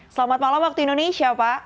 selamat malam waktu indonesia pak